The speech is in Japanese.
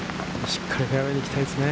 しっかりフェアウエーに行きたいですね。